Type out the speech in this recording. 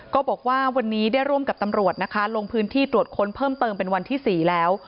ก็บอกว่าวันนี้ได้ร่วมกับตำรวจนะคะลงพื้นที่ตรวจค้นเพิ่มเติมเป็นวันที่๔แล้ว